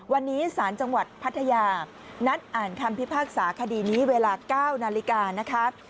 วันนี้สารจังหวัดพัทยานัดอ่านคำพิพากษาคดีนี้เวลา๙นาฬิกานะคะ